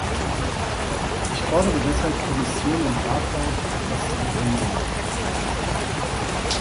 Ich fordere deshalb Kommission und Rat auf, etwas zu unternehmen.